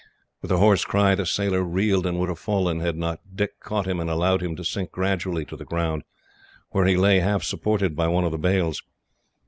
With a hoarse cry the sailor reeled, and would have fallen, had not Dick caught him and allowed him to sink gradually to the ground; where he lay, half supported by one of the bales.